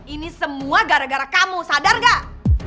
ini semua gara gara kamu sadar gak